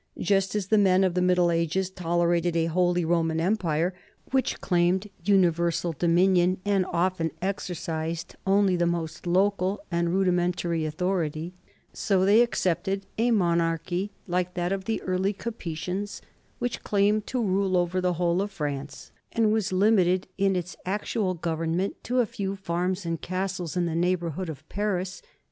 Just as the men of the Middle Ages tolerated a Holy Roman Empire which claimed universal dominion and often exercised only the most local and rudimentary au thority, so they accepted a monarchy like that of the early Capetians, which claimed to rule over the whole of France and was limited in its actual government to a few farms and castles in the neighborhood of Paris.